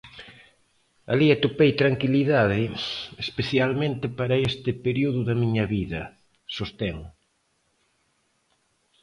"Alí atopei tranquilidade, especialmente para este período da miña vida", sostén.